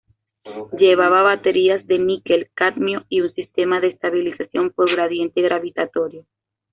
Llevaba baterías de níquel-cadmio y un sistema de estabilización por gradiente gravitatorio.